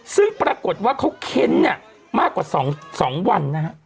ซึ่งปรากฏว่าเขาเค้นเนี่ยมากกว่า๒วันนะฮะ